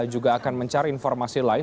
juga akan mencari informasi lain